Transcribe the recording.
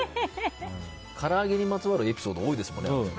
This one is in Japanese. から揚げにまつわるエピソード多いですもんね。